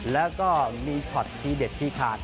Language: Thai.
แล้วก็มีช็อตทีเด็ดที่ขาด